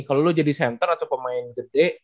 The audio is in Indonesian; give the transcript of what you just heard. kalau lo jadi center atau pemain gede